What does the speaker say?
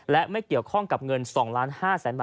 และไม่เกี่ยวข้องกับเงิน๒๕๐๐๐๐๐บาท